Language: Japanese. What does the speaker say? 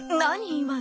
今の。